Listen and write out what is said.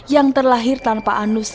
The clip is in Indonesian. yang terlahir tanpa anus